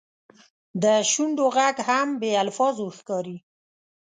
د شونډو ږغ هم بې الفاظو ښکاري.